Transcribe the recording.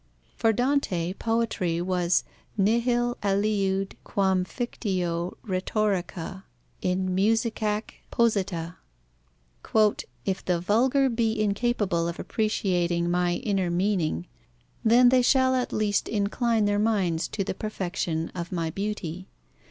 For Dante poetry was nihil aliud quam fictio rhetorica in musicaque posita. "If the vulgar be incapable of appreciating my inner meaning, then they shall at least incline their minds to the perfection of my beauty.